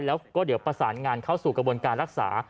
แล้วก็เดี๋ยวประสานงานเข้าสู่กระบวนการรักษา